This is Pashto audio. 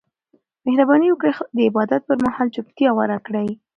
مهرباني وکړئ د عبادت پر مهال چوپتیا غوره کړئ.